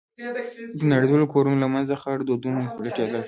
د نړېدلو كورونو له منځه خړ دودونه لټېدل.